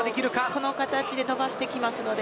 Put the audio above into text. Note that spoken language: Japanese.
この形で伸ばしてきますので。